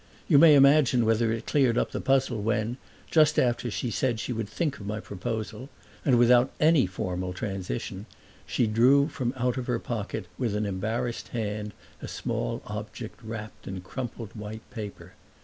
You may imagine whether it cleared up the puzzle when, just after she had said she would think of my proposal and without any formal transition, she drew out of her pocket with an embarrassed hand a small object wrapped in crumpled white paper.